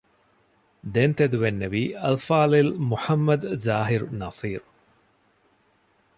ދެން ތެދުވެންނެވީ އަލްފާޟިލް މުޙައްމަދު ޒާހިރު ނަޞީރު